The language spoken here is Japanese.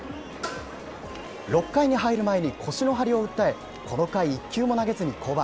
６回に入る前に、腰の張りを訴え、この回、一球も投げずに降板。